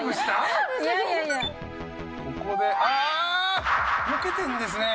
ここであ避けてるんですね。